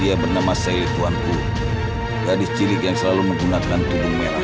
dia bernama saili tuanku gadis cilik yang selalu menggunakan tubuh merah